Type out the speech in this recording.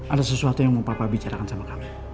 ada sesuatu yang mau papa bicarakan sama kami